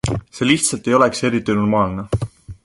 See lihtsalt ei oleks eriti normaalne!